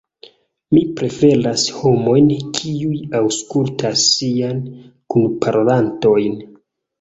Mi preferas homojn, kiuj aŭskultas siajn kunparolantojn.